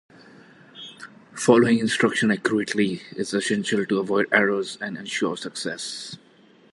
Following instructions accurately is essential to avoid errors and ensure success.